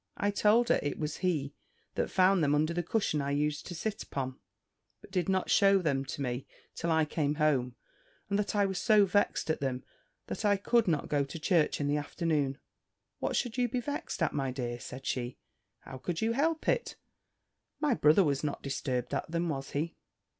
I told her, it was he that found them under the cushion I used to sit upon; but did not shew them to me till I came home; and that I was so vexed at them, that I could not go to church in the afternoon. "What should you be vexed at, my dear?" said she: "how could you help it? My brother was not disturbed at them, was he?"